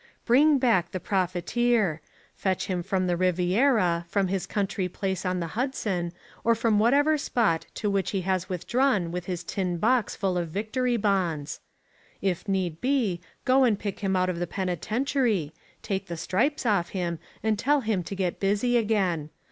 Bring back the profiteer: fetch him from the Riviera, from his country place on the Hudson, or from whatever spot to which he has withdrawn with his tin box full of victory bonds. If need be, go and pick him out of the penitentiary, take the stripes off him and tell him to get busy again.